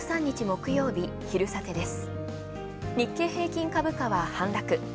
日経平均株価は反落。